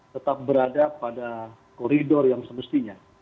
tetap berada pada koridor yang semestinya